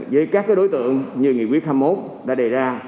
với các đối tượng như nghị quyết hai mươi một đã đề ra